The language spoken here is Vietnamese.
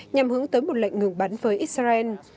nhằm hướng tới một lệnh ngừng bắn với israel